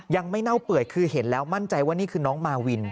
เน่าเปื่อยคือเห็นแล้วมั่นใจว่านี่คือน้องมาวิน